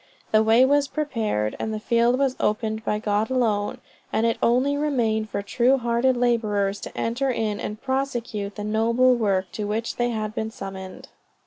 The way was prepared and the field was opened by God alone, and it only remained for true hearted laborers to enter in and prosecute the noble work to which they had been summoned."